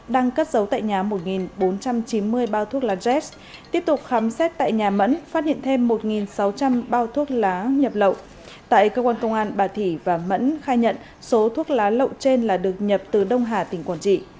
đang cất giấu tại nhà một bốn trăm chín mươi bao thuốc lá jets tiếp tục khám xét tại nhà mẫn phát hiện thêm một sáu trăm linh bao thuốc lá nhập lậu